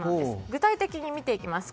具体的に見ていきます。